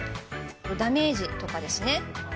ダメージとかね。